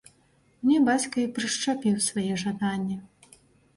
Мне бацька і прышчапіў свае жаданні.